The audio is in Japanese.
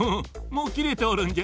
もうきれておるんじゃよ。